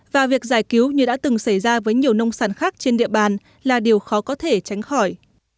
và việc giải cứu như đã từng xảy ra với nhiều nông sản khác trên địa bàn là điều khó có thể tránh khỏi